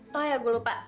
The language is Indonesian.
tau ya gue lupa